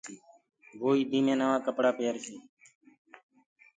وو ايدي مي نوآ ڪپڙآ پيرسي۔